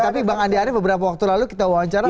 tapi bang andi arief beberapa waktu lalu kita wawancara